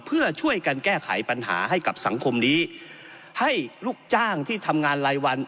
เพื่อช่วยกันแก้ไขปัญหาให้กับสังคมนี้ให้ลูกจ้างที่ทำงานรายวัน